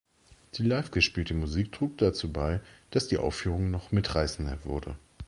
Die live gespielte Musik trug dazu bei, dass die Aufführung noch mitreißender wurde.